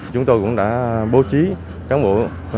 chúng tôi cũng đã bố trí các bộ